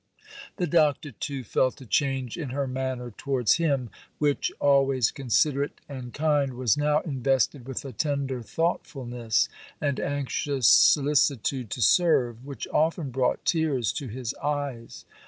The Doctor, too, felt a change in her manner towards him, which, always considerate and kind, was now invested with a tender thoughtfulness, and anxious solicitude to serve, which often brought tears to his eyes.